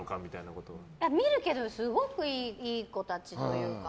見るけどすごくいい子たちというか。